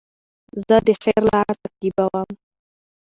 زه د خیر لاره تعقیبوم.